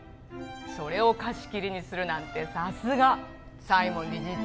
それを貸し切りにするなんてさすが西門理事長